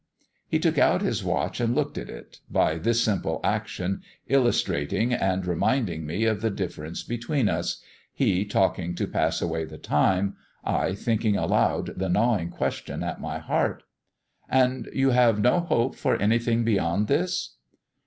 He took out his watch and looked at it, by this simple action illustrating and reminding me of the difference between us he talking to pass away the time, I thinking aloud the gnawing question at my heart. "And you have no hope for anything beyond this?"